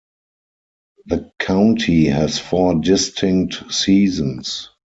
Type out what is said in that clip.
The county has four distinct seasons.